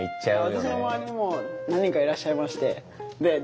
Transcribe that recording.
私の周りにも何人かいらっしゃいまして。